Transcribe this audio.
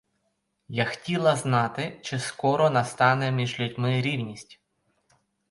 Я хтіла знати, чи скоро настане між людьми рівність?